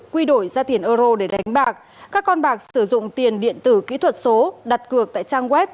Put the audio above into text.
quy đổi ra tiền euro để đánh bạc các con bạc sử dụng tiền điện tử kỹ thuật số đặt cược tại trang web